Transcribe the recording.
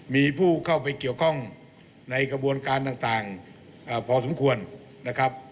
มีผู้เข้าไปเกี่ยวข้องในกระบวนการต่างพอสมควรนะครับ